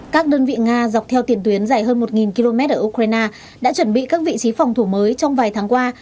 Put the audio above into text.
các đơn vị nga dọc theo tiền tuyến dài hơn một km ở ukraine đã chuẩn bị các vị trí phòng thủ mới trong vài tháng qua